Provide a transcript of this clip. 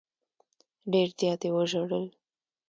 ډېر زیات یې وژړل.